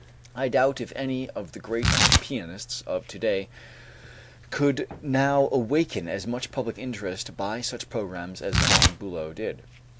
I doubt if any of the great pianists of to day could now awaken as much public interest by such programs as Von Bülow did.